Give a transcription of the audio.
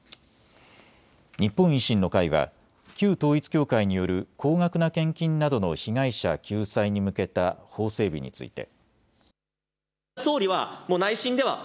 日本維新の会は旧統一教会による高額な献金などの被害者救済に向けた法整備について。